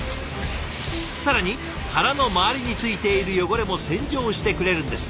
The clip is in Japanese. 更に殻の周りについている汚れも洗浄してくれるんです。